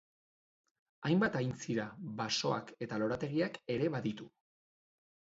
Hainbat aintzira, basoak eta lorategiak ere baditu.